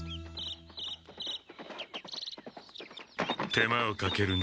手間をかけるな。